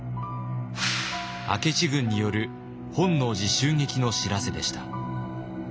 明智軍による本能寺襲撃の知らせでした。